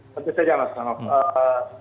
tentu saja mas ramadhan